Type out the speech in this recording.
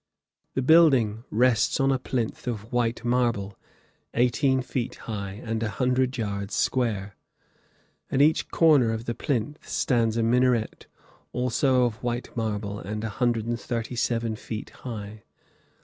The building rests on a plinth of white marble, eighteen feet high and a hundred yards square. At each corner of the plinth stands a minaret, also of white marble, and 137 feet high.